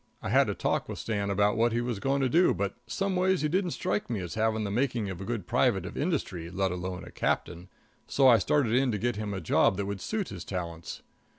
I had a talk with Stan about what he was going to do, but some ways he didn't strike me as having the making of a good private of industry, let alone a captain, so I started in to get him a job that would suit his talents.